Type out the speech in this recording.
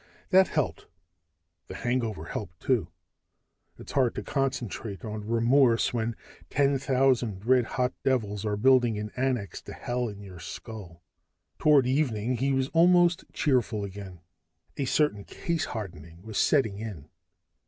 That helped. The hangover helped too. It's hard to concentrate on remorse when ten thousand red hot devils are building an annex to Hell in your skull. Toward evening, he was almost cheerful again. A certain case hardening was setting in.